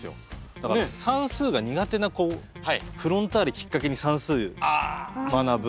だから算数が苦手な子フロンターレきっかけに算数学ぶ。